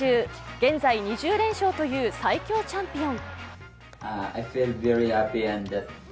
現在２０連勝という最強チャンピオン。